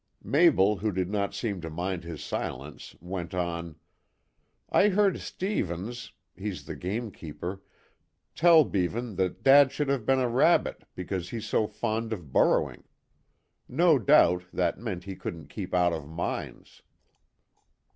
Mabel, who did not seem to mind his silence, went on: "I heard Stevens he's the gamekeeper tell Beavan that dad should have been a rabbit because he's so fond of burrowing. No doubt, that meant he couldn't keep out of mines."